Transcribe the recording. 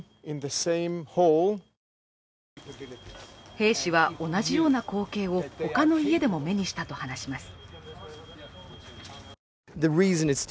兵士は同じような光景を他の家でも目にしたと話します。